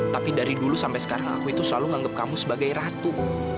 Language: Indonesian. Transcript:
tapi dari dulu sampai sekarang aku itu selalu menganggap kamu sebagai ratu